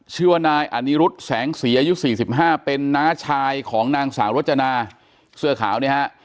ชื่อว่านายอนิรุธแสงสีอายุ๔๕เป็นน้าชายของนางสาวรจนาเสื้อขาวเนี่ยฮะ